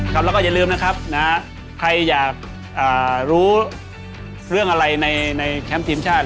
ครับแล้วก็อย่าลืมนะครับนะใครอยากรู้เรื่องอะไรในแคมป์ทีมชาติ